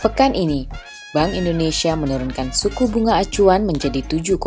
pekan ini bank indonesia menurunkan suku bunga acuan menjadi tujuh empat